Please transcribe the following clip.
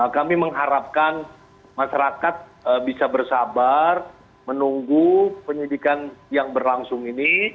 kami mengharapkan masyarakat bisa bersabar menunggu penyidikan yang berlangsung ini